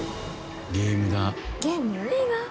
ゲームだ。